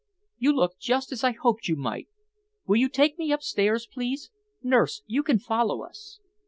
you look just as I hoped you might. Will you take me upstairs, please? Nurse, you can follow us."